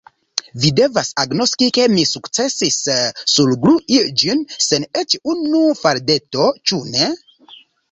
Vi devas agnoski, ke mi sukcesis surglui ĝin sen eĉ unu faldeto, ĉu ne?